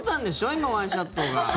今、ワンショットが。